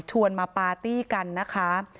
มาปาร์ตี้กันนะคะ